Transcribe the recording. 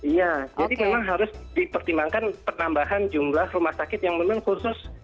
iya jadi memang harus dipertimbangkan penambahan jumlah rumah sakit yang memang khusus